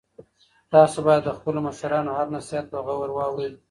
تاسو باید د خپلو مشرانو هر نصیحت په غور واورئ.